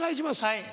はい。